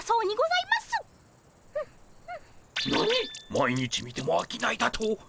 毎日見てもあきないだと！